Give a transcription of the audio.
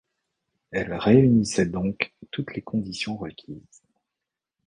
Elle réunissait donc toutes les conditions requises.